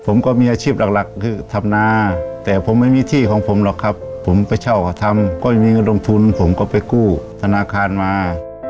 ผมก็มีอาชีพหลักชื่อธรรมนาแต่ผมไม่มีที่ของผมหรอกครับผมไปเช่ามาทำอยู่และก็มีเงินลงทุนสำหรับกู้ธนาคารมา